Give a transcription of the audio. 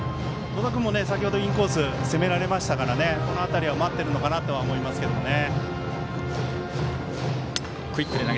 野田君も先ほどインコース攻められましたからこの辺りは待ってるのかなと思いますね。